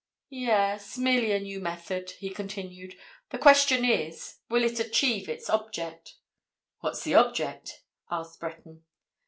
"Yes—merely a new method," he continued. "The question is—will it achieve its object?" "What's the object?" asked Breton.